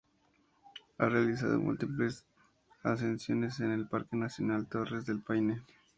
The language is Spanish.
Ha realizado múltiples ascensiones en el Parque Nacional Torres del Paine.